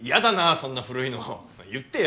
そんな古いの言ってよ